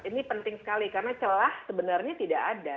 ini penting sekali karena celah sebenarnya tidak ada